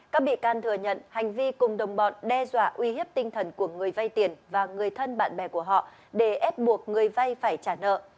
các bị can thừa nhận hành vi cùng đồng bọn đe dọa uy hiếp tinh thần của người vay tiền và người thân bạn bè của họ để ép buộc người vay phải trả nợ